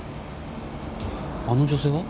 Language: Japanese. あの女性は？